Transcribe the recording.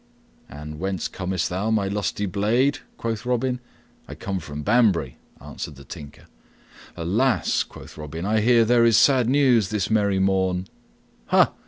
"And whence comest thou, my lusty blade?" quoth Robin. "I come from Banbury," answered the Tinker. "Alas!" quoth Robin, "I hear there is sad news this merry morn." "Ha!